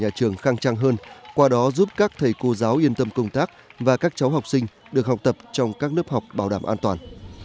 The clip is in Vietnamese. các nhà trường khăng trang hơn qua đó giúp các thầy cô giáo yên tâm công tác và các cháu học sinh được học tập trong các lớp học bảo đảm an toàn